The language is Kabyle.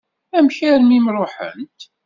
Amek armi i m-ṛuḥent?